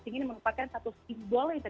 ini menempatkan satu simbolnya